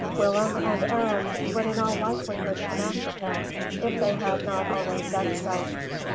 Willem and Arend would in all likelihood come after him, if they had not already done so.